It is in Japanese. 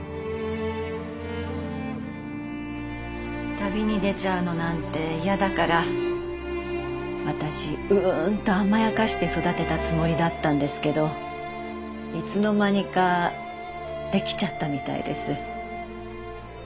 旅に出ちゃうのなんて嫌だから私うんと甘やかして育てたつもりだったんですけどいつの間にかできちゃったみたいです。